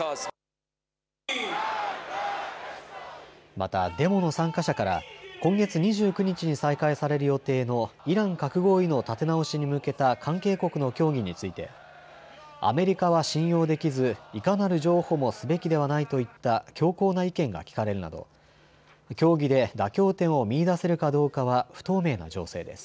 また、デモの参加者から今月２９日に再開される予定のイラン核合意の立て直しに向けた関係国の協議についてアメリカは信用できず、いかなる譲歩もすべきではないといった強硬な意見が聞かれるなど協議で妥協点を見いだせるかどうかは不透明な情勢です。